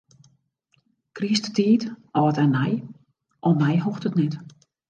Krysttiid, âld en nij, om my hoecht it net.